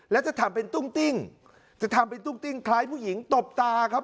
แล้วจะทำเป็นตุ้งติ้งจะทำเป็นตุ้งติ้งคล้ายผู้หญิงตบตาครับ